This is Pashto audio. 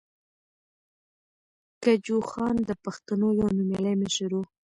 کجوخان د پښتنو یو نومیالی مشر ؤ.